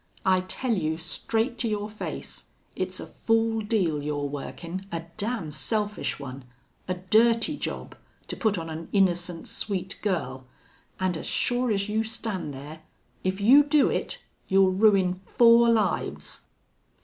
I tell you, straight to your face, it's a fool deal you're workin' a damn selfish one a dirty job, to put on an innocent, sweet girl an' as sure as you stand there, if you do it, you'll ruin four lives!"